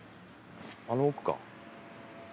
あの奥か。